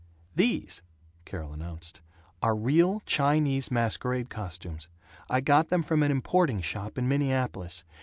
"These," Carol announced, "are real Chinese masquerade costumes. I got them from an importing shop in Minneapolis.